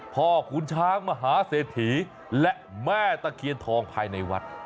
ขุนช้างมหาเศรษฐีและแม่ตะเคียนทองภายในวัด